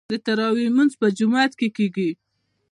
د تراويح لمونځ په جومات کې کیږي.